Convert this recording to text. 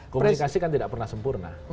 komunikasi kan tidak pernah sempurna